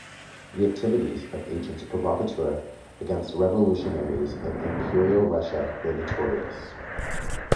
The activities of agents provocateur against revolutionaries in Imperial Russia were notorious.